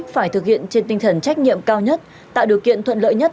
phải thực hiện trên tinh thần trách nhiệm cao nhất tạo điều kiện thuận lợi nhất